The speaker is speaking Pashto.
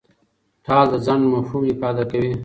ټال د ځنډ مفهوم افاده کوي.